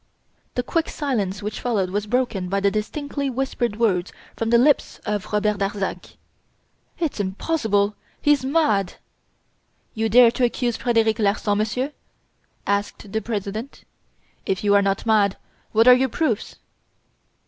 The quick silence which followed was broken by the distinctly whispered words from the lips of Robert Darzac: "It's impossible! He's mad!" "You dare to accuse Frederic Larsan, Monsieur?" asked the President. "If you are not mad, what are your proofs?"